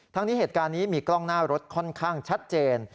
ทั้งนี้เหตุการณ์นี้มีกล้องหน้ารถค่อนข้างชัดเจน